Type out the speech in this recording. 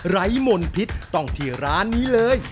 ไร้มนพิษต้องที่ร้านนี้เลย